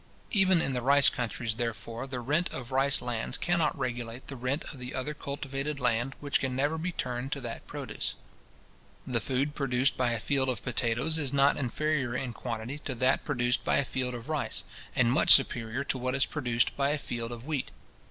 Even in the rice countries, therefore, the rent of rice lands cannot regulate the rent of the other cultivated land which can never be turned to that produce. The food produced by a field of potatoes is not inferior in quantity to that produced by a field of rice, and much superior to what is produced by a field of wheat.